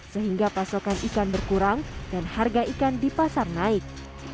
sehingga pasokan ikan berkurang dan harga ikan di pasar naik